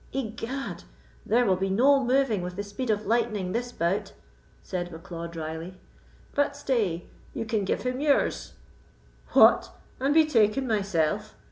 "Egad, there will be no moving with the speed of lightning this bout," said Bucklaw, drily. "But stay, you can give him yours." "What! and be taken myself?